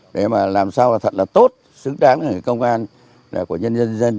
để làm sao thật là tốt xứng đáng với công an của nhân dân